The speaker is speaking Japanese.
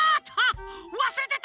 わすれてた！